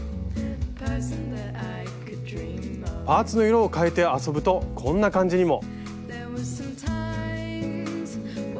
パーツの色をかえて遊ぶとこんな感じにも。